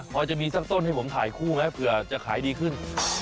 พอจะมีสักต้นให้ผมถ่ายคู่ไหมเผื่อจะขายดีขึ้น